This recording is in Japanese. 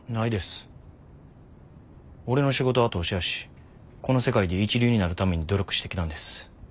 俺の仕事は投資やしこの世界で一流になるために努力してきたんです。